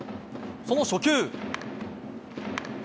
その初球。